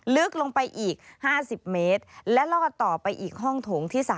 ลึกลงไปอีก๕๐เมตรและลอดต่อไปอีกห้องโถงที่๓